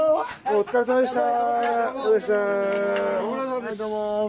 お疲れさまでした！